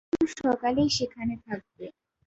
উনি শুধু সকালেই সেখানে থাকবে।